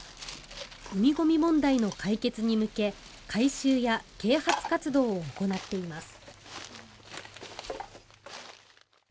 海ゴミ問題の解決に向け回収や啓発活動を行っています。